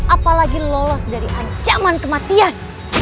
apalagi lolos dari ancaman kematian